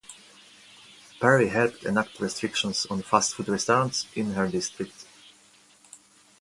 Perry helped enact restrictions on fast food restaurants in her district.